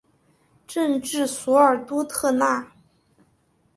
镇治索尔多特纳。